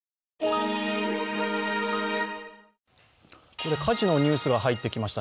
ここで火事のニュースが入ってきました。